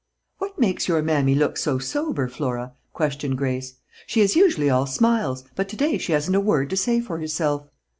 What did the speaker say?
"What makes your mammy look so sober, Flora?" questioned Grace. "She is usually all smiles; but to day she hasn't a word to say for herself."